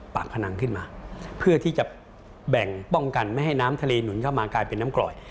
แบ่งป้องกันไม่ไห้น้ำทะเลหนุนเข้ามากลายเป็นน้ำกรอย